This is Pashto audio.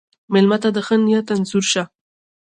مېلمه ته د ښه نیت انځور شه.